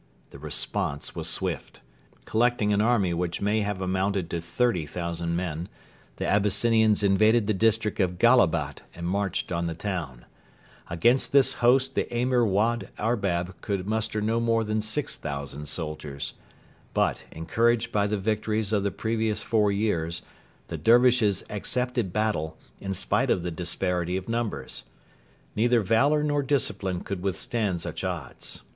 The response was swift. Collecting an army which may have amounted to 30,000 men, the Abyssinians invaded the district of Gallabat and marched on the town. Against this host the Emir Wad Arbab could muster no more than 6,000 soldiers. But, encouraged by the victories of the previous four years, the Dervishes accepted battle, in spite of the disparity of numbers. Neither valour nor discipline could withstand such odds.